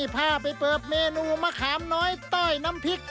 พาไปเปิดเมนูมะขามน้อยต้อยน้ำพริก